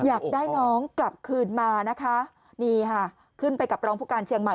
อยากได้น้องกลับคืนมานะคะนี่ค่ะขึ้นไปกับรองผู้การเชียงใหม่